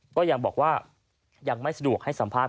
ก็ยังบอกว่ายังไม่สะดวกให้สัมภาษณ